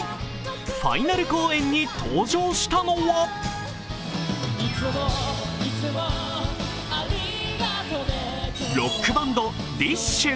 ファイナル公演に登場したのはロックバンド、ＤＩＳＨ／／。